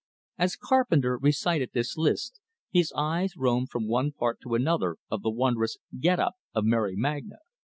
As Carpenter recited this list, his eyes roamed from one part to another of the wondrous "get up" of Mary Magna.